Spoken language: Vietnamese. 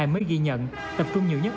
mới ghi nhận tập trung nhiều nhất